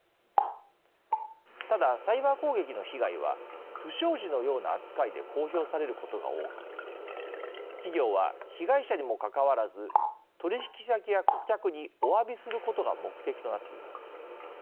ただ、サイバー攻撃の被害は「不祥事」のような扱いで公表されることが多く企業は被害者にもかかわらず取引先や顧客におわびすることが目的となっています。